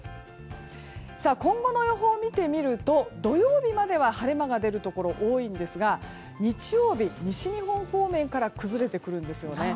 今後の予報を見てみると土曜日までは晴れ間が出るところ多いんですが日曜日、西日本方面から崩れてくるんですよね。